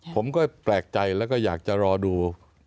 ผมก็แปลกใจแล้วก็อยากจะรอดู